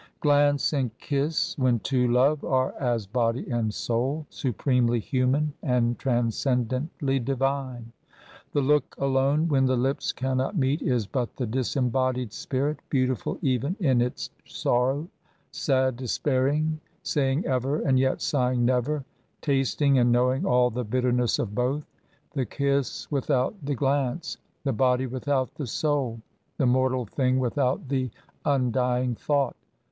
Glance and kiss, when two love, are as body and soul, supremely human and transcendently divine. The look alone, when the lips cannot meet, is but the disembodied spirit, beautiful even in its sorrow, sad, despairing, saying "ever," and yet sighing "never," tasting and knowing all the bitterness of both. The kiss without the glance? The body without the soul? The mortal thing without the undying thought?